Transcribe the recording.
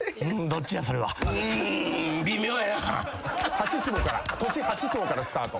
８坪から土地８坪からスタート。